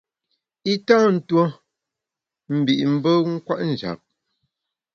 I tâ ntuo mbi’ mbe kwet njap.